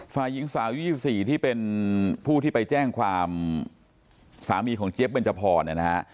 ฝ่ายหญิงสาว๒๔ที่เป็นผู้ที่ไปแจ้งความสามีของเจฟเป็นเจ้าพอร์นะฮะ